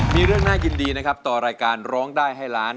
มีเรื่องน่ายินดีนะครับต่อรายการร้องได้ให้ล้าน